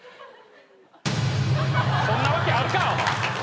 そんなわけあるか！